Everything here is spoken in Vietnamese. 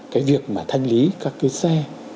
cái việc mà thanh lý các cái xe